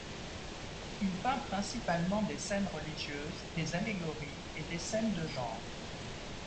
Il peint principalement des scènes religieuses, des allégories et des scènes de genre.